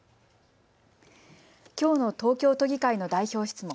きょうの東京都議会の代表質問。